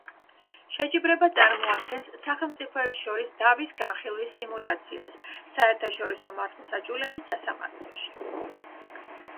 შეჯიბრება წარმოადგენს სახელმწიფოებს შორის დავის განხილვის სიმულაციას საერთაშორისო მართლმსაჯულების სასამართლოში.